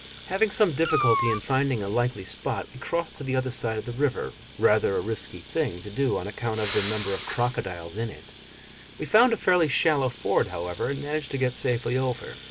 Having some difficulty in finding a likely spot, we crossed to the other side of the river rather a risky thing to do on account of the number of crocodiles in it: we found a fairly shallow ford, however, and managed to get safely over.